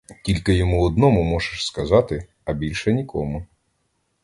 Тільки йому одному можеш сказати, а більше нікому!